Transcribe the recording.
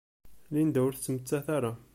Linda ur tettmettat ara.